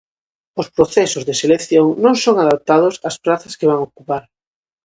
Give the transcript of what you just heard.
Os procesos de selección non son adaptados ás prazas que van ocupar.